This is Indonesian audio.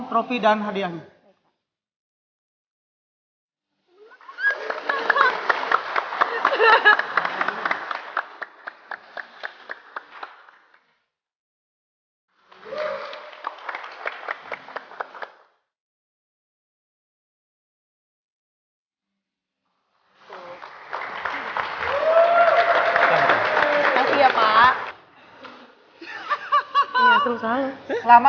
trophy dan hadiahnya